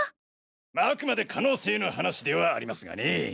あくまで可能性の話ではありますがね。